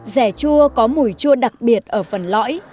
rẻ chua có mùi chua đặc biệt ở phần lõi